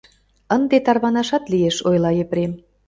— Ынде тарванашат лиеш, — ойла Епрем.